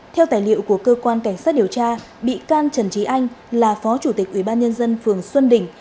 theo tài liệu của cơ quan cảnh sát điều tra bị can trần trí anh là phó chủ tịch ủy ban nhân dân phường xuân đình